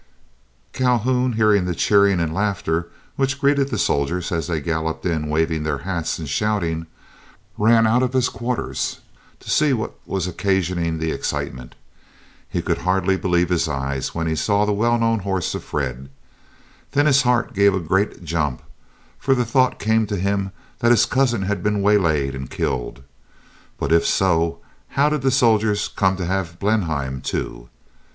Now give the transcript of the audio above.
Calhoun, hearing the cheering and laughter which greeted the soldiers as they galloped in waving their hats and shouting, ran out of his quarters to see what was occasioning the excitement. He could hardly believe his eyes when he saw the well known horse of Fred. Then his heart gave a great jump, for the thought came to him that his cousin had been waylaid and killed. But if so, how did the soldiers come to have Blenheim too?